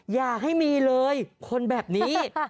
อย่าให้มีเลยคนแบบนี้